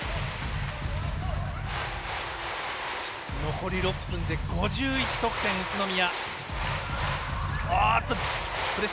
残り６分で５１得点宇都宮。